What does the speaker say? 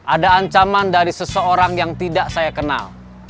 ada ancaman dari seseorang yang tidak saya kenal